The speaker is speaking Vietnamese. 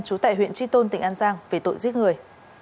trú tại huyện tri tôn tỉnh an giang về tội giết người